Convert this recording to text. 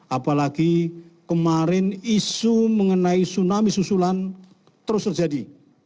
apalagi kemarin isu mengenai tsunami susulan terus terjadi